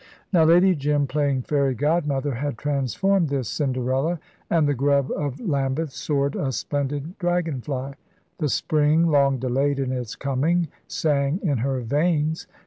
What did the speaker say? Now Lady Jim, playing fairy godmother, had transformed this Cinderella, and the grub of Lambeth soared a splendid dragon fly. The spring, long delayed in its coming, sang in her veins.